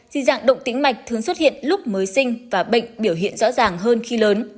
thì dạng động tính mạch thường xuất hiện lúc mới sinh và bệnh biểu hiện rõ ràng hơn khi lớn